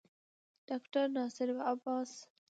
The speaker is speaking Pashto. ډاکټر ناصر عباس